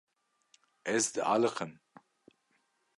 Ez dialiqim.